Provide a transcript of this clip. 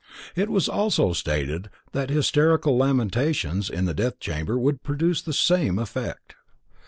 It was also stated that hysterical lamentations in the death chamber would produce the same effect.